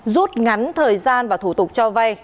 rút ngắn thời gian và thủ tục cho vay